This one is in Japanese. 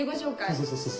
そうそうそうそう。